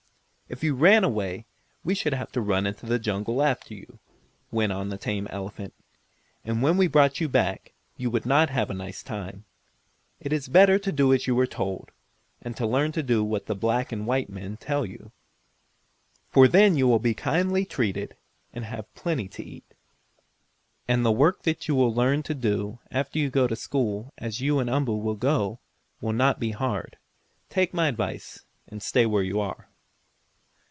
"If you ran away we should have to run into the jungle after you," went on the tame elephant. "And when we brought you back you would not have a nice time. It is better to do as you are told, and to learn to do what the black and white men tell you. For then you will be kindly treated, and have plenty to eat. And the work you will learn to do, after you go to school, as you and Umboo will go, will not be hard. Take my advice and stay where you are."